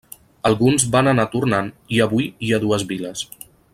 Alguns van anar tornant i avui hi ha dues viles.